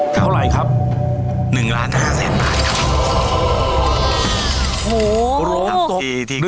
เท่าไหร่ครับ๑ล้าน๕แสนบาทครับ